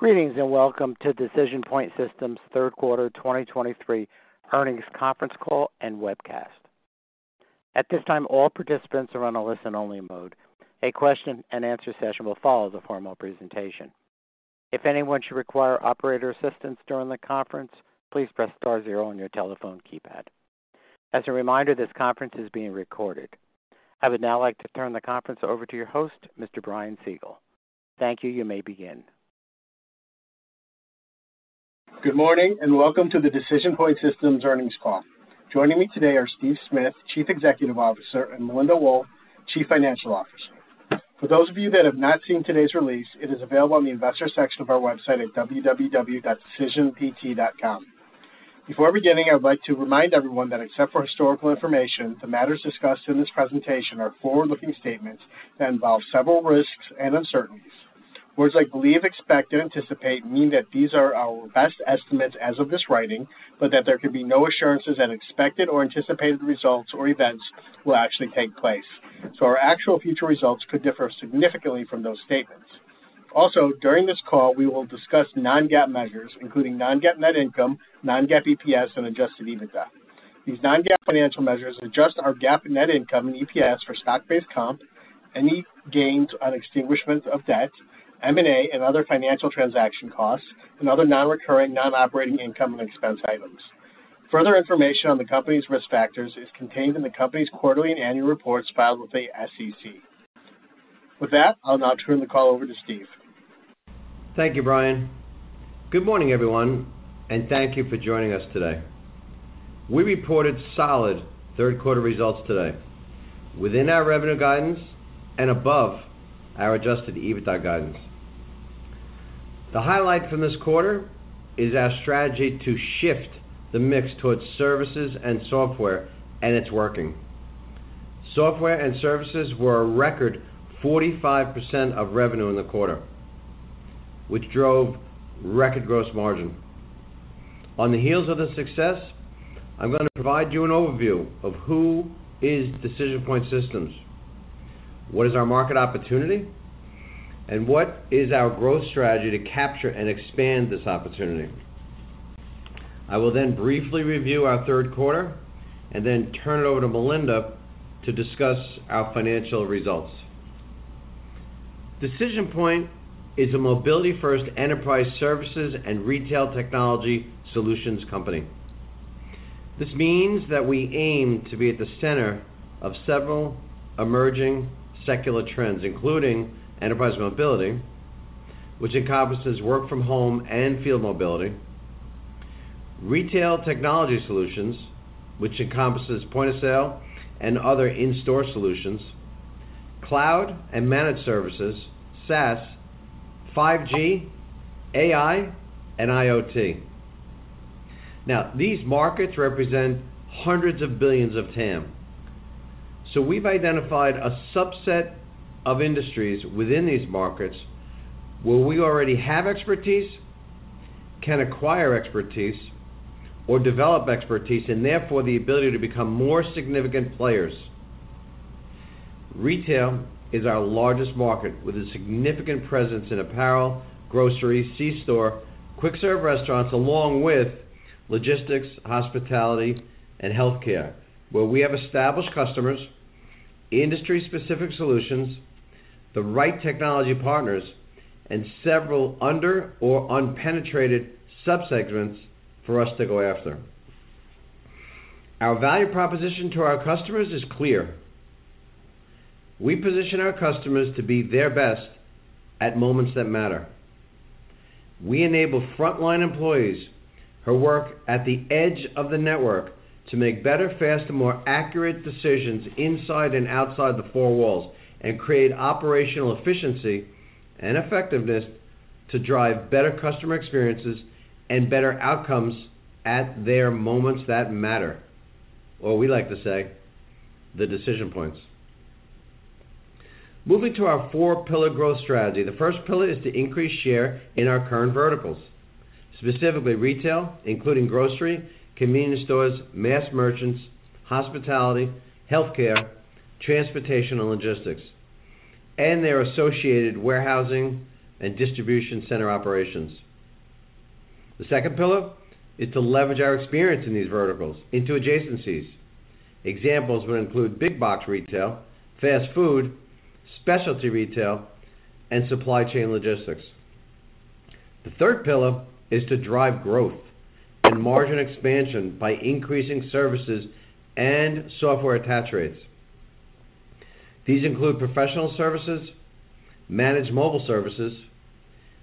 Greetings, and welcome to DecisionPoint Systems' third quarter 2023 earnings conference call and webcast. At this time, all participants are on a listen-only mode. A question-and-answer session will follow the formal presentation. If anyone should require operator assistance during the conference, please press star zero on your telephone keypad. As a reminder, this conference is being recorded. I would now like to turn the conference over to your host, Mr. Brian Siegel. Thank you. You may begin. Good morning, and welcome to the DecisionPoint Systems earnings call. Joining me today are Steve Smith, Chief Executive Officer, and Melinda Wohl, Chief Financial Officer. For those of you that have not seen today's release, it is available on the investor section of our website at www.decisionpt.com. Before beginning, I would like to remind everyone that except for historical information, the matters discussed in this presentation are forward-looking statements that involve several risks and uncertainties. Words like believe, expect, and anticipate mean that these are our best estimates as of this writing, but that there could be no assurances that expected or anticipated results or events will actually take place. So our actual future results could differ significantly from those statements. Also, during this call, we will discuss non-GAAP measures, including non-GAAP net income, non-GAAP EPS, and adjusted EBITDA. These non-GAAP financial measures adjust our GAAP net income and EPS for stock-based comp, any gains on extinguishment of debt, M&A, and other financial transaction costs, and other non-recurring non-operating income and expense items. Further information on the company's risk factors is contained in the company's quarterly and annual reports filed with the SEC. With that, I'll now turn the call over to Steve. Thank you, Brian. Good morning, everyone, and thank you for joining us today. We reported solid third quarter results today, within our revenue guidance and above our Adjusted EBITDA guidance. The highlight from this quarter is our strategy to shift the mix towards services and software, and it's working. Software and services were a record 45% of revenue in the quarter, which drove record gross margin. On the heels of this success, I'm gonna provide you an overview of who is DecisionPoint Systems, what is our market opportunity, and what is our growth strategy to capture and expand this opportunity. I will then briefly review our third quarter and then turn it over to Melinda to discuss our financial results. DecisionPoint is a mobility-first enterprise services and retail technology solutions company. This means that we aim to be at the center of several emerging secular trends, including enterprise mobility, which encompasses work from home and field mobility, retail technology solutions, which encompasses point of sale and other in-store solutions, cloud and managed services, SaaS, 5G, AI, and IoT. Now, these markets represent hundreds of billions of TAM. So we've identified a subset of industries within these markets where we already have expertise, can acquire expertise or develop expertise, and therefore, the ability to become more significant players. Retail is our largest market, with a significant presence in apparel, grocery, C-store, quick-serve restaurants, along with logistics, hospitality, and healthcare, where we have established customers, industry-specific solutions, the right technology partners, and several under or unpenetrated subsegments for us to go after. Our value proposition to our customers is clear. We position our customers to be their best at moments that matter. We enable frontline employees who work at the edge of the network to make better, faster, more accurate decisions inside and outside the four walls, and create operational efficiency and effectiveness to drive better customer experiences and better outcomes at their moments that matter, or we like to say, the decision points. Moving to our four pillar growth strategy. The first pillar is to increase share in our current verticals, specifically retail, including grocery, convenience stores, mass merchants, hospitality, healthcare, transportation, and logistics, and their associated warehousing and distribution center operations. The second pillar is to leverage our experience in these verticals into adjacencies. Examples would include big box retail, fast food, specialty retail, and supply chain logistics. The third pillar is to drive growth and margin expansion by increasing services and software attach rates. These include professional services, managed mobile services,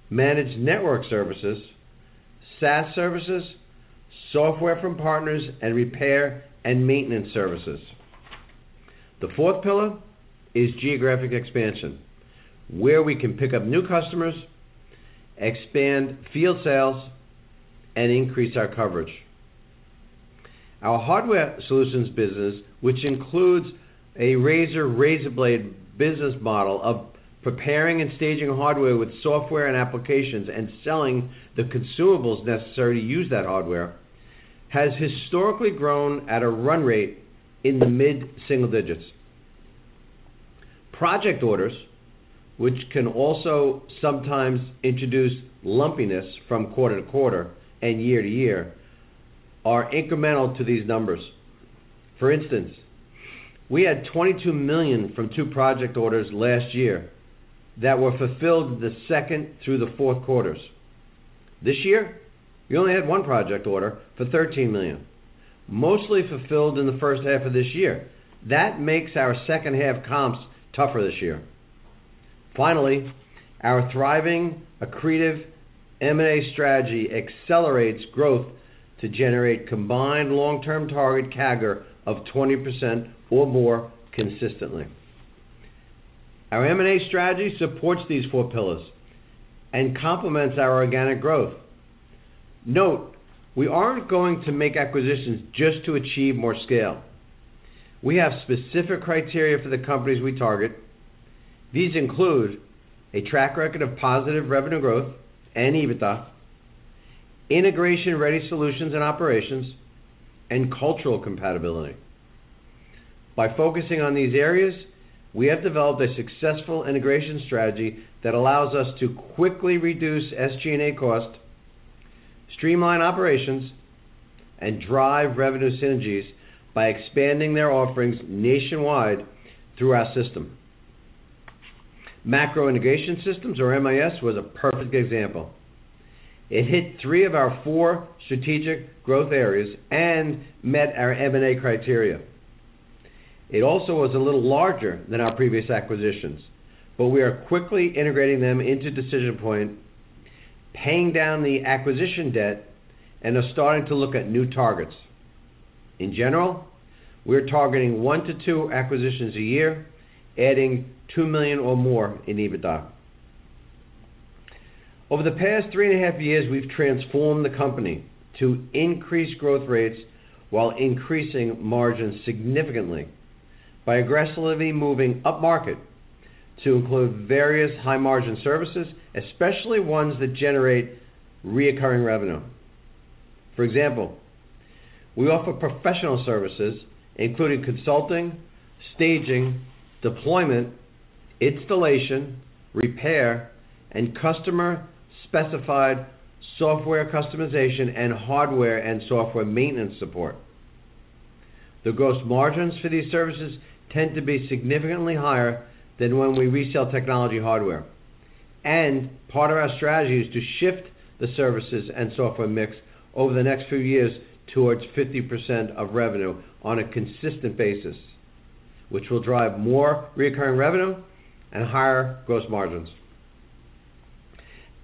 managed network services, SaaS services, software from partners, and repair and maintenance services. The fourth pillar is geographic expansion, where we can pick up new customers, expand field sales, and increase our coverage. Our hardware solutions business, which includes a razor, razor blade business model of preparing and staging hardware with software and applications, and selling the consumables necessary to use that hardware, has historically grown at a run rate in the mid-single digits. Project orders, which can also sometimes introduce lumpiness from quarter to quarter and year to year, are incremental to these numbers. For instance, we had $22 million from 2 project orders last year that were fulfilled the second through the fourth quarters. This year, we only had 1 project order for $13 million, mostly fulfilled in the first half of this year. That makes our second half comps tougher this year. Finally, our thriving accretive M&A strategy accelerates growth to generate combined long-term target CAGR of 20% or more consistently. Our M&A strategy supports these four pillars and complements our organic growth. Note, we aren't going to make acquisitions just to achieve more scale. We have specific criteria for the companies we target. These include a track record of positive revenue growth and EBITDA, integration-ready solutions and operations, and cultural compatibility. By focusing on these areas, we have developed a successful integration strategy that allows us to quickly reduce SG&A cost, streamline operations, and drive revenue synergies by expanding their offerings nationwide through our system. Macro Integration Services, or MIS, was a perfect example. It hit three of our four strategic growth areas and met our M&A criteria. It also was a little larger than our previous acquisitions, but we are quickly integrating them into DecisionPoint, paying down the acquisition debt, and are starting to look at new targets. In general, we're targeting 1-2 acquisitions a year, adding $2 million or more in EBITDA. Over the past 3.5 years, we've transformed the company to increase growth rates while increasing margins significantly by aggressively moving upmarket to include various high-margin services, especially ones that generate recurring revenue. For example, we offer professional services, including consulting, staging, deployment, installation, repair, and customer-specified software customization and hardware and software maintenance support. The gross margins for these services tend to be significantly higher than when we resell technology hardware, and part of our strategy is to shift the services and software mix over the next few years towards 50% of revenue on a consistent basis, which will drive more recurring revenue and higher gross margins.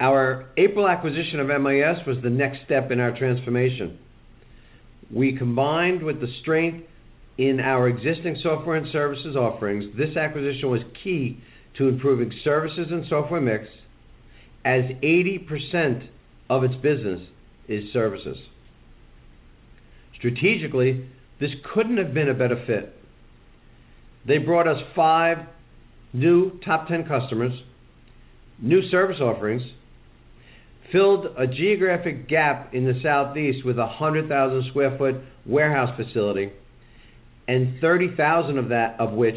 Our April acquisition of MIS was the next step in our transformation. We combined with the strength in our existing software and services offerings. This acquisition was key to improving services and software mix, as 80% of its business is services. Strategically, this couldn't have been a better fit. They brought us five new top ten customers, new service offerings, filled a geographic gap in the Southeast with a 100,000 sq ft warehouse facility, and 30,000 of that, of which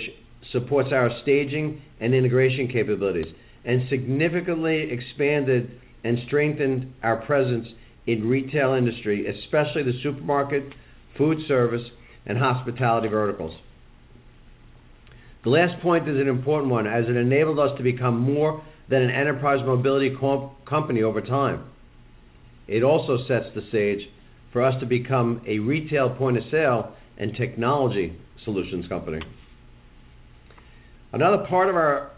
supports our staging and integration capabilities, and significantly expanded and strengthened our presence in retail industry, especially the supermarket, food service, and hospitality verticals. The last point is an important one as it enabled us to become more than an enterprise mobility company over time. It also sets the stage for us to become a retail point-of-sale and technology solutions company. Another part of our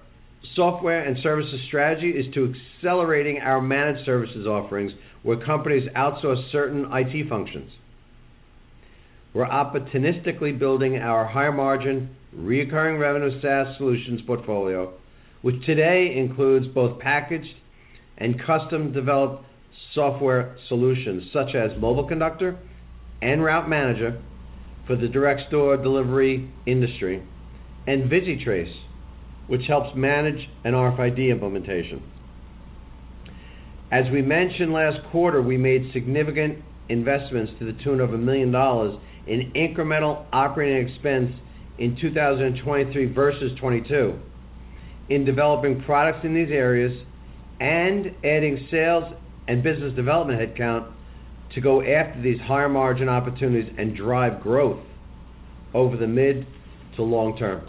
software and services strategy is to accelerating our managed services offerings, where companies outsource certain IT functions. We're opportunistically building our higher-margin, recurring revenue SaaS solutions portfolio, which today includes both packaged and custom-developed software solutions, such as MobileConductor and Route Manager for the direct store delivery industry, and ViziTrace, which helps manage an RFID implementation. As we mentioned last quarter, we made significant investments to the tune of $1 million in incremental operating expense in 2023 versus 2022 in developing products in these areas and adding sales and business development headcount to go after these higher-margin opportunities and drive growth over the mid to long term.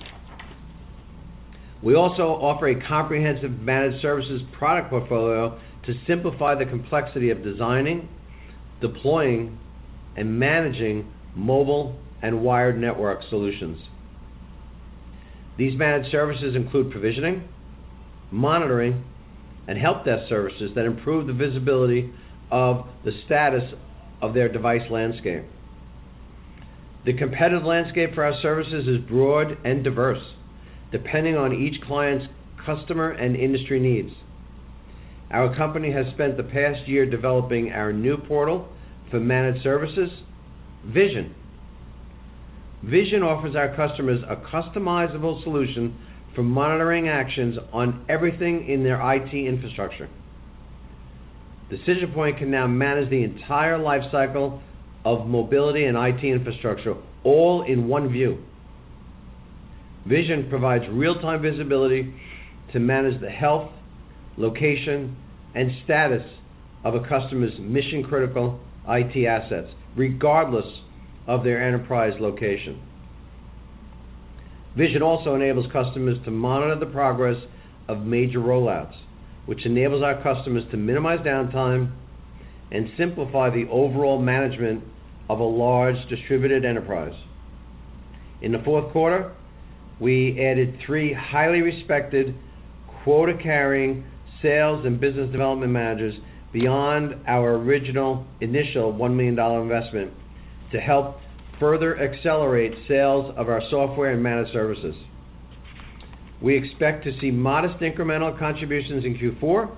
We also offer a comprehensive managed services product portfolio to simplify the complexity of designing, deploying, and managing mobile and wired network solutions. These managed services include provisioning, monitoring, and help desk services that improve the visibility of the status of their device landscape. The competitive landscape for our services is broad and diverse, depending on each client's customer and industry needs. Our company has spent the past year developing our new portal for managed services, VISION. VISION offers our customers a customizable solution for monitoring actions on everything in their IT infrastructure. DecisionPoint can now manage the entire life cycle of mobility and IT infrastructure, all in one view. VISION provides real-time visibility to manage the health, location, and status of a customer's mission-critical IT assets, regardless of their enterprise location. VISION also enables customers to monitor the progress of major rollouts, which enables our customers to minimize downtime and simplify the overall management of a large distributed enterprise. In the fourth quarter, we added three highly respected, quota-carrying sales and business development managers beyond our original initial $1 million investment, to help further accelerate sales of our software and managed services. We expect to see modest incremental contributions in Q4,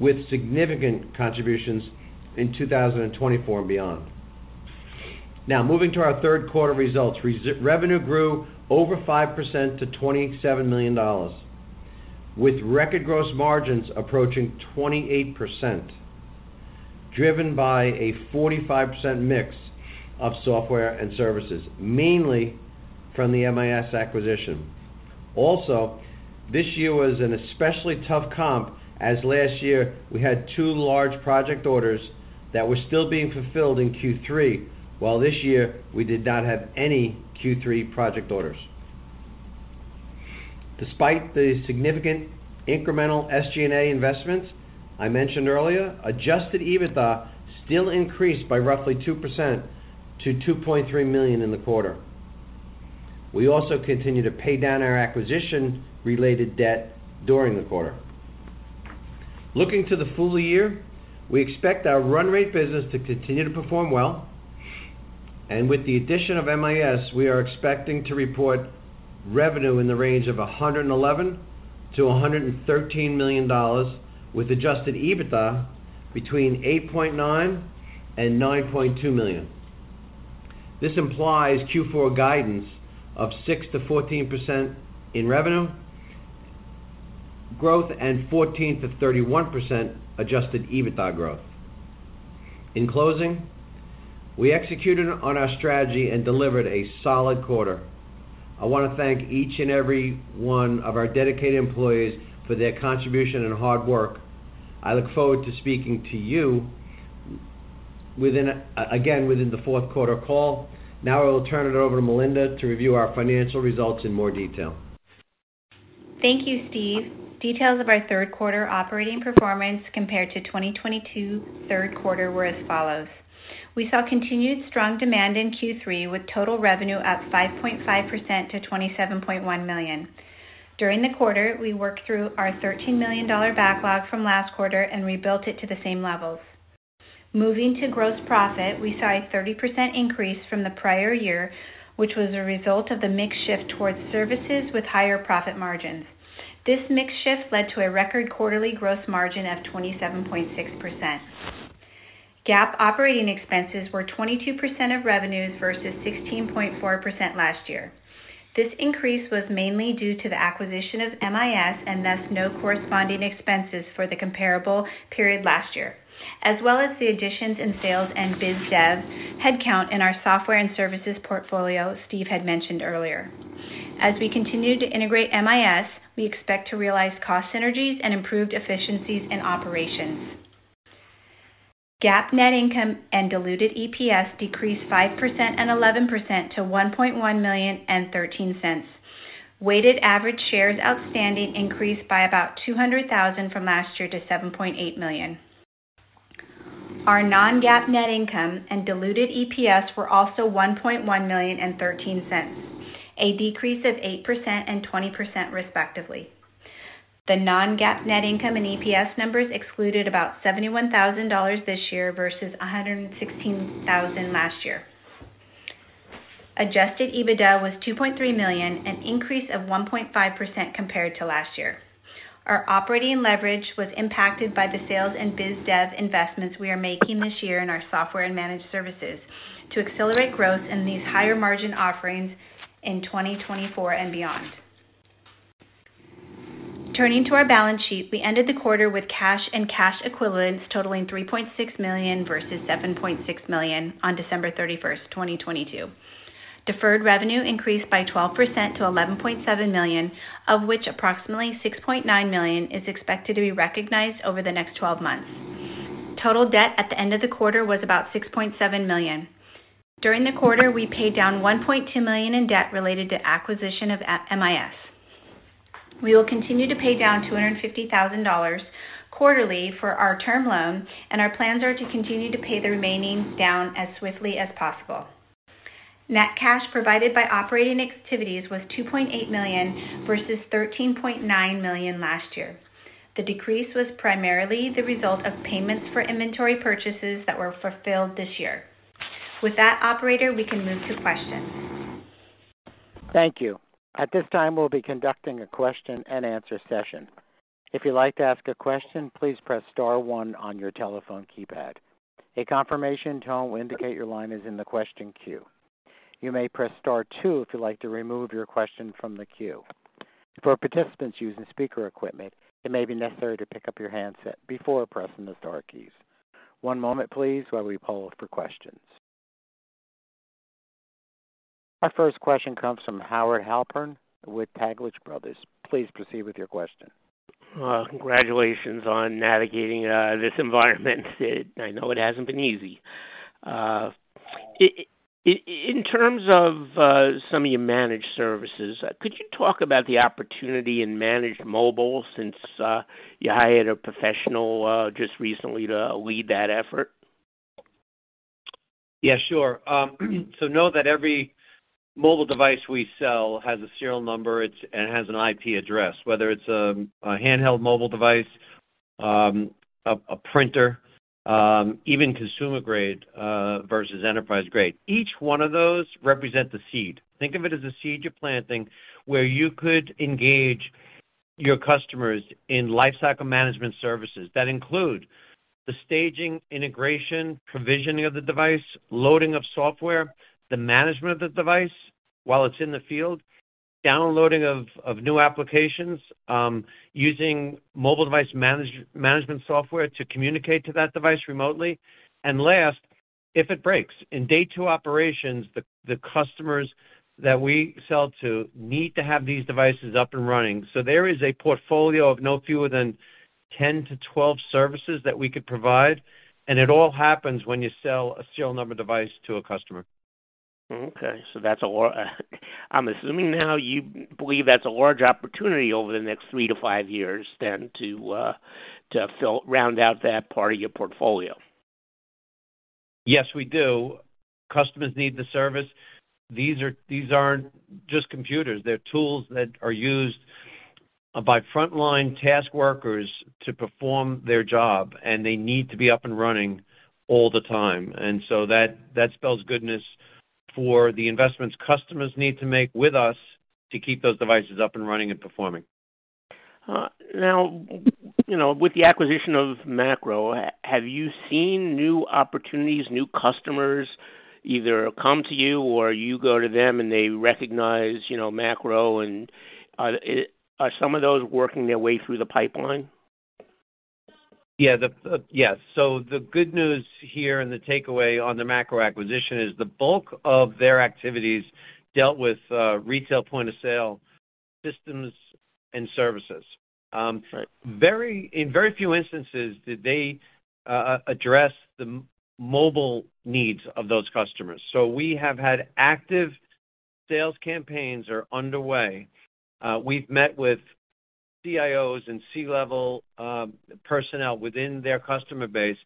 with significant contributions in 2024 and beyond. Now, moving to our third quarter results. Revenue grew over 5% to $27 million, with record gross margins approaching 28%, driven by a 45% mix of software and services, mainly from the MIS acquisition. Also, this year was an especially tough comp, as last year we had two large project orders that were still being fulfilled in Q3, while this year we did not have any Q3 project orders. Despite the significant incremental SG&A investments I mentioned earlier, adjusted EBITDA still increased by roughly 2% to $2.3 million in the quarter. We also continued to pay down our acquisition-related debt during the quarter. Looking to the full year, we expect our run rate business to continue to perform well. And with the addition of MIS, we are expecting to report revenue in the range of $111 million-$113 million, with Adjusted EBITDA between $8.9 million and $9.2 million. This implies Q4 guidance of 6%-14% in revenue growth and 14%-31% Adjusted EBITDA growth. In closing, we executed on our strategy and delivered a solid quarter. I want to thank each and every one of our dedicated employees for their contribution and hard work. I look forward to speaking to you within, again, within the fourth quarter call. Now I will turn it over to Melinda to review our financial results in more detail. Thank you, Steve. Details of our third quarter operating performance compared to 2022 third quarter were as follows: We saw continued strong demand in Q3, with total revenue up 5.5% to $27.1 million. During the quarter, we worked through our $13 million backlog from last quarter and rebuilt it to the same levels. Moving to gross profit, we saw a 30% increase from the prior year, which was a result of the mix shift towards services with higher profit margins. This mix shift led to a record quarterly gross margin of 27.6%. GAAP operating expenses were 22% of revenues versus 16.4% last year. This increase was mainly due to the acquisition of MIS, and thus no corresponding expenses for the comparable period last year, as well as the additions in sales and biz dev headcount in our software and services portfolio Steve had mentioned earlier. As we continue to integrate MIS, we expect to realize cost synergies and improved efficiencies in operations. GAAP net income and diluted EPS decreased 5% and 11% to $1.1 million and $0.13. Weighted average shares outstanding increased by about 200,000 from last year to 7.8 million. Our non-GAAP net income and diluted EPS were also $1.1 million and $0.13, a decrease of 8% and 20% respectively. The non-GAAP net income and EPS numbers excluded about $71,000 this year versus $116,000 last year. Adjusted EBITDA was $2.3 million, an increase of 1.5% compared to last year. Our operating leverage was impacted by the sales and biz dev investments we are making this year in our software and managed services, to accelerate growth in these higher-margin offerings in 2024 and beyond. Turning to our balance sheet, we ended the quarter with cash and cash equivalents totaling $3.6 million versus $7.6 million on December 31, 2022. Deferred revenue increased by 12% to $11.7 million, of which approximately $6.9 million is expected to be recognized over the next 12 months. Total debt at the end of the quarter was about $6.7 million. During the quarter, we paid down $1.2 million in debt related to acquisition of MIS. We will continue to pay down $250,000 quarterly for our term loan, and our plans are to continue to pay the remaining down as swiftly as possible. Net cash provided by operating activities was $2.8 million versus $13.9 million last year. The decrease was primarily the result of payments for inventory purchases that were fulfilled this year. With that operator, we can move to questions. Thank you. At this time, we'll be conducting a question and answer session. If you'd like to ask a question, please press star one on your telephone keypad. A confirmation tone will indicate your line is in the question queue. You may press star two if you'd like to remove your question from the queue.... For participants using speaker equipment, it may be necessary to pick up your handset before pressing the star keys. One moment please, while we poll for questions. Our first question comes from Howard Halpern with Taglich Brothers. Please proceed with your question. Congratulations on navigating this environment. I know it hasn't been easy. In terms of some of your managed services, could you talk about the opportunity in managed mobile since you hired a professional just recently to lead that effort? Yeah, sure. So know that every mobile device we sell has a serial number. It's and it has an IP address, whether it's a handheld mobile device, a printer, even consumer-grade versus enterprise-grade. Each one of those represent the seed. Think of it as a seed you're planting, where you could engage your customers in lifecycle management services that include the staging, integration, provisioning of the device, loading of software, the management of the device while it's in the field, downloading of new applications, using mobile device management software to communicate to that device remotely. And last, if it breaks, in day two operations, the customers that we sell to need to have these devices up and running. There is a portfolio of no fewer than 10-12 services that we could provide, and it all happens when you sell a serial number device to a customer. Okay, so that's a lot. I'm assuming now you believe that's a large opportunity over the next three to five years then to fill round out that part of your portfolio? Yes, we do. Customers need the service. These are, these aren't just computers. They're tools that are used by frontline task workers to perform their job, and they need to be up and running all the time. And so that, that spells goodness for the investments customers need to make with us to keep those devices up and running and performing. Now, you know, with the acquisition of Macro, have you seen new opportunities, new customers, either come to you or you go to them, and they recognize, you know, Macro, and are some of those working their way through the pipeline? Yeah, the... Yes. So the good news here, and the takeaway on the Macro acquisition, is the bulk of their activities dealt with, retail point-of-sale systems and services. Right. In very few instances did they address the mobile needs of those customers. So we have had active sales campaigns are underway. We've met with CIOs and C-level personnel within their customer base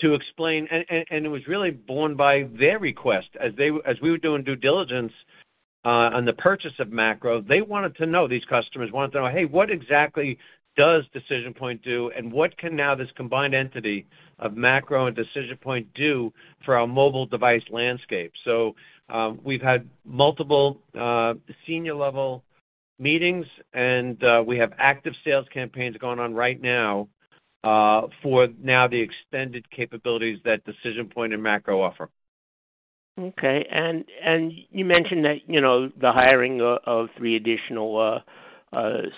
to explain and it was really born by their request. As we were doing due diligence on the purchase of Macro, they wanted to know, these customers wanted to know, "Hey, what exactly does DecisionPoint do, and what can now this combined entity of Macro and DecisionPoint do for our mobile device landscape?" So, we've had multiple senior level meetings, and we have active sales campaigns going on right now for now, the extended capabilities that DecisionPoint and Macro offer. Okay. And you mentioned that, you know, the hiring of three additional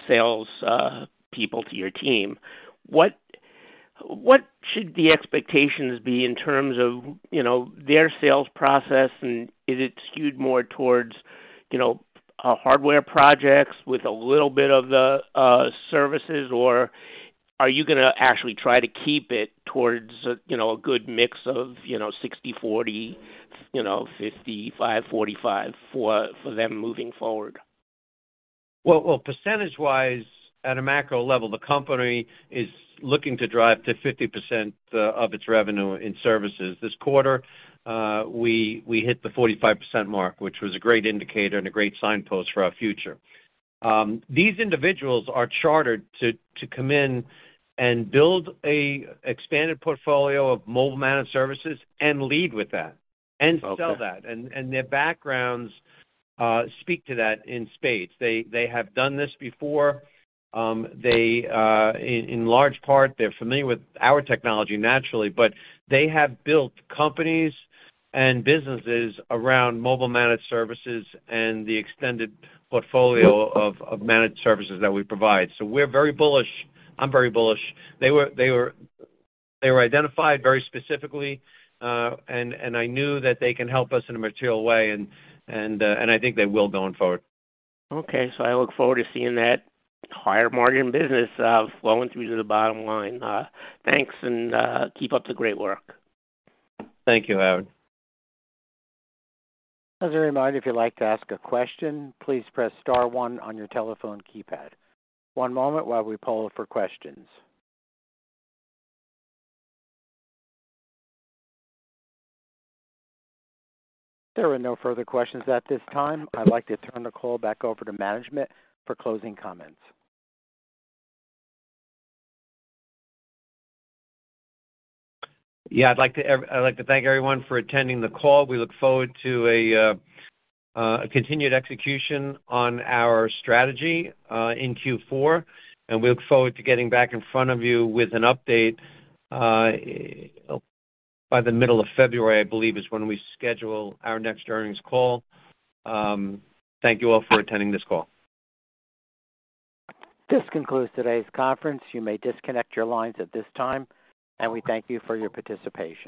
sales people to your team. What should the expectations be in terms of, you know, their sales process, and is it skewed more towards, you know, hardware projects with a little bit of the services, or are you gonna actually try to keep it towards a, you know, a good mix of, you know, 60/40, 55/45 for them moving forward? Well, well, percentage-wise, at a macro level, the company is looking to drive to 50% of its revenue in services. This quarter, we hit the 45% mark, which was a great indicator and a great signpost for our future. These individuals are chartered to come in and build a expanded portfolio of mobile managed services and lead with that- Okay. -and sell that. And their backgrounds speak to that in spades. They have done this before. They, in large part, they're familiar with our technology naturally, but they have built companies and businesses around mobile managed services and the extended portfolio of managed services that we provide. So we're very bullish. I'm very bullish. They were identified very specifically, and I knew that they can help us in a material way, and I think they will going forward. Okay, so I look forward to seeing that higher margin business, flowing through to the bottom line. Thanks, and keep up the great work. Thank you, Howard. As a reminder, if you'd like to ask a question, please press star one on your telephone keypad. One moment while we poll for questions. There are no further questions at this time. I'd like to turn the call back over to management for closing comments. Yeah. I'd like to thank everyone for attending the call. We look forward to a continued execution on our strategy in Q4, and we look forward to getting back in front of you with an update by the middle of February, I believe, is when we schedule our next earnings call. Thank you all for attending this call. This concludes today's conference. You may disconnect your lines at this time, and we thank you for your participation.